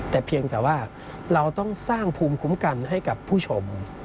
แต่เพียงแต่ว่าเราต้องสร้างภูมิคุ้มกันให้กับผู้ชม